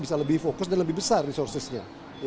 bisa lebih fokus dan lebih besar resourcesnya